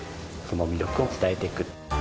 その魅力を伝えて行く。